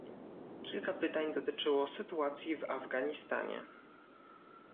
Kilka pytań dotyczyło sytuacji w Afganistanie